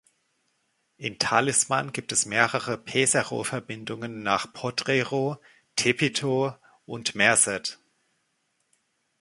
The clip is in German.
In Talisman gibt es mehrere Pesero-Verbindungen nach Potrero, Tepito und Merced.